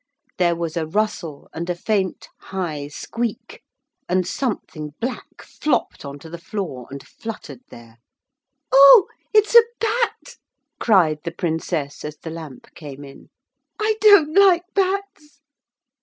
There was a rustle and a faint high squeak and something black flopped on to the floor and fluttered there. 'Oh it's a bat,' cried the Princess, as the lamp came in. 'I don't like bats.'